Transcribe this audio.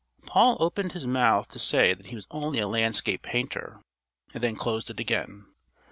Paul opened his mouth to say that he was only a landscape painter, and then closed it again.